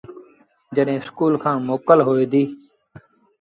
جڏهيݩ اسڪُول کآݩ موڪل هوئي ديٚ